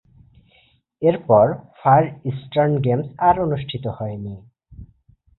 এর পর Far Eastern Games আর অনুষ্ঠিত হয়নি।